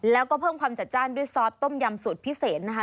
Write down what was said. แล้วก็เพิ่มความจัดจ้านด้วยซอสต้มยำสูตรพิเศษนะคะ